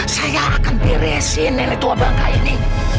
saya akan beresin nenek tua bangka ini